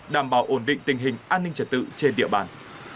đảm bảo ổn định tình hình an ninh trật tự trên địa bàn